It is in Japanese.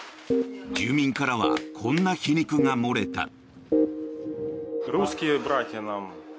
住民からはこんな皮肉が漏れた。